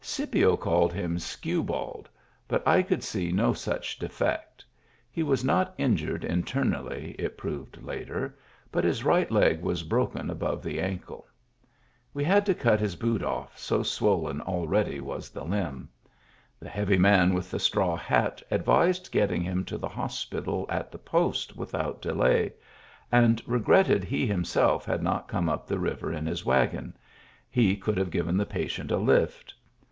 Scipio called him "skew bald," but I could see no such defect He was not injured internally, it proved later, but his right leg was broken above the ankle. We had to cut his boot oflf, so swollen already was the limb. The heavy man with the straw hat advised getting him to the hospital at the post without delay, and regretted he himself had not come up the river in his wagon ; he could have given the patient a lift.